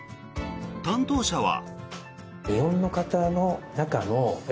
担当者は。